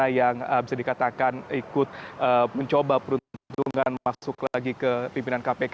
karena yang bisa dikatakan ikut mencoba peruntungan masuk lagi ke pimpinan kpk dua ribu sembilan belas dua ribu dua puluh tiga